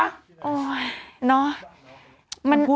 โอ้ยเนาะ